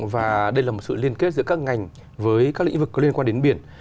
và đây là một sự liên kết giữa các ngành với các lĩnh vực có liên quan đến biển